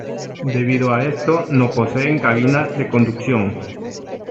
Debido a esto no poseen cabina de conducción.